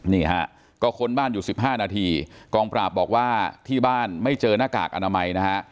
นี่ฮะก็ค้นบ้านอยู่๑๕นาทีกองปราบบอกว่าที่บ้านไม่เจอหน้ากากอนามัยนะฮะ